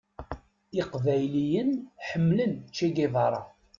Iqbayliyen ḥemmlen Che Guevara.